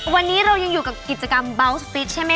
วันนี้เรายังอยู่กับกิจกรรมเบาสฟิตใช่ไหมค